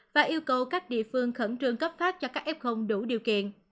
và yêu cầu các địa phương khẩn trương cấp phát cho các f đủ điều kiện